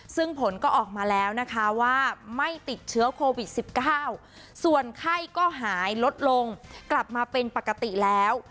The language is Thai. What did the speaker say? ซึ่งผลก็ออกมาแล้วนะคะว่าไม่ติดเชื้อโควิด๑๙ส่วนไข้ก็หายลดลงกลับมาเป็นปกติแล้ว